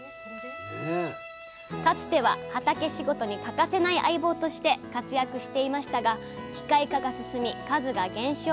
かつては畑仕事に欠かせない相棒として活躍していましたが機械化が進み数が減少。